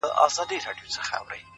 پرمختګ له دوامداره هڅې تغذیه کېږي’